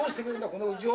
このうちを。